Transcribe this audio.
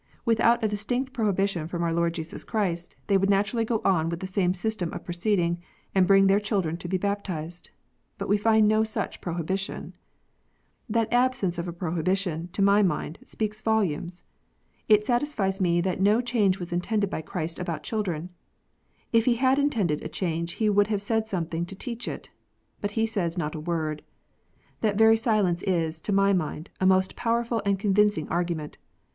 Without a distinct prohibition from our Lord Jesus Christ, they would naturally go on with the same system of proceeding, and bring their children to be baptized. But ice find no such pro hibition ! That absence of a prohibition, to my mind, speaks volumes. It satisfies me that no change was intended by Christ about children. If He had intended a change He would have said something to teach it. But He says not a word ! That very silence is, to my mind, a most powerful and convincing argument.